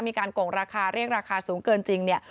โกงราคาเรียกราคาสูงเกินจริงเนี่ย